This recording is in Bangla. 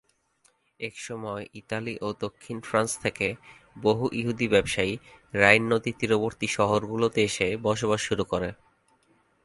এইসময় ইতালি ও দক্ষিণ ফ্রান্স থেকে বহু ইহুদি ব্যবসায়ী রাইন নদী তীরবর্তী শহরগুলিতে এসে বসবাস শুরু করে।